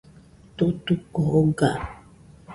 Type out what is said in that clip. Tutuko oga